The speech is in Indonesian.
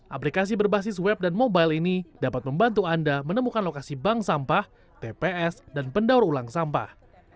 aplikasi berbasis web dan mobile ini dapat membantu anda menemukan lokasi bank sampah tps dan pendaur ulang sampah